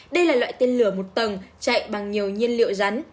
đây là loại tên lửa một tầng chạy bằng nhiều nhiên liệu rắn